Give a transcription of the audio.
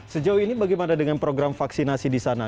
sejauh ini bagaimana dengan program vaksinasi di sana